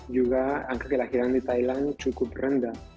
juga angka kelahiran di thailand cukup rendah